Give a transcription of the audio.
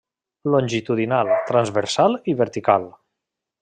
Longitudinal, transversal i vertical.